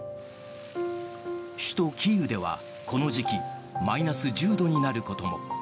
首都キーウでは、この時期マイナス１０度になることも。